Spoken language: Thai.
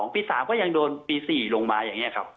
ปี๓ก็ยังโดนปี๔ลงมาอย่างนี้ครับ